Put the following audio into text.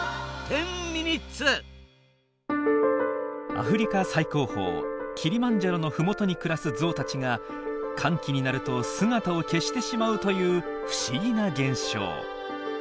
アフリカ最高峰キリマンジャロのふもとに暮らすゾウたちが乾季になると姿を消してしまうという不思議な現象。